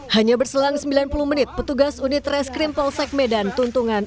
hanya berselang sembilan puluh menit petugas unit reskrim polsek medan tuntungan